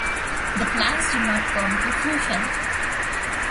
The plans did not come to fruition.